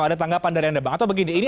ada tanggapan dari anda bang atau begini ini